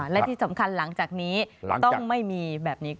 และที่สำคัญหลังจากนี้ต้องไม่มีแบบนี้